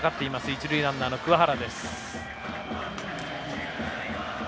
一塁ランナー、桑原。